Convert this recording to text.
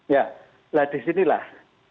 ya lah disinilah